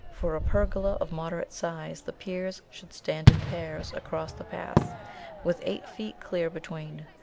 For a pergola of moderate size the piers should stand in pairs across the path, with eight feet clear between.